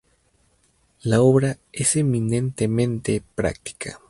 La obra es eminentemente práctica.